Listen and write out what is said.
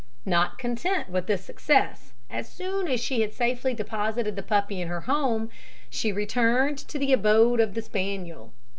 Not content with this success, as soon as she had safely deposited the puppy in her home, she returned to the abode of the spaniel.